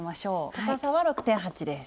高さは６．８です。